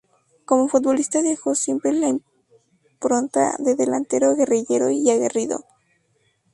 Como futbolista dejó siempre la impronta de delantero guerrillero y aguerrido.